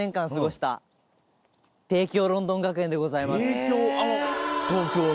帝京あの東京の？